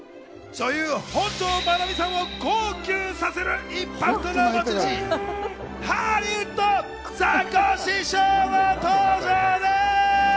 女優・本上まなみさんを号泣させるインパクトの持ち主、ハリウッドザコシショウの登場です！